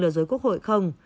lừa dối quốc hội không